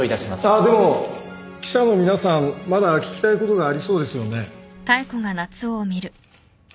あっでも記者の皆さんまだ聞きたいことがありそうですよね。